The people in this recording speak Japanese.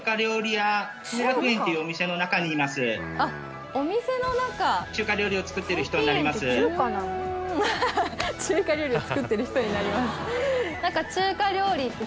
アハハ「中華料理を作ってる人になります」。